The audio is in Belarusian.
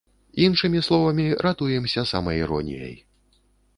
Іншымі словамі, ратуемся самаіроніяй!